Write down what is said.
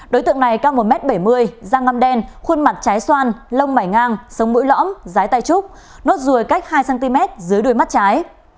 đối tượng này cao một m bảy mươi da ngăm đen khuôn mặt trái xoan lông mảy ngang sông mũi lõm giái tay trúc nốt ruồi cách hai cm dưới đuôi mắt trái